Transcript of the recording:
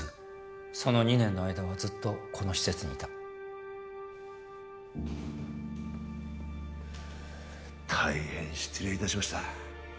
その２年の間はずっとこの施設にいた大変失礼いたしました